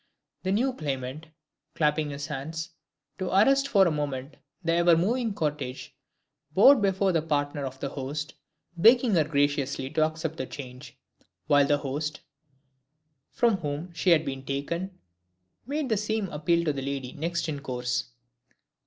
The new claimant, clapping his hands, to arrest for a moment the ever moving cortege, bowed before the partner of the host, begging her graciously to accept the change; while the host, from whom she had been taken, made the same appeal to the lady next in course.